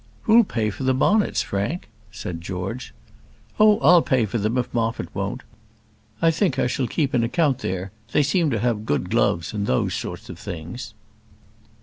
"Who'll pay for the bonnets, Frank?" said George. "Oh, I'll pay for them if Moffat won't. I think I shall keep an account there; they seem to have good gloves and those sort of things."